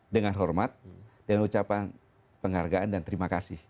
dengan hormat dengan ucapan penghargaan dan terima kasih